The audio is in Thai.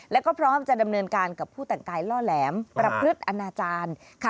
แล้วก็พร้อมจะดำเนินการกับผู้แต่งกายล่อแหลมประพฤติอนาจารย์